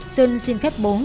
sơn xin phép bố